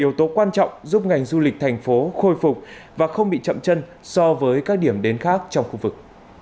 yếu tố quan trọng giúp ngành du lịch thành phố khôi phục và không bị chậm chân so với các điểm đến khác trong khu vực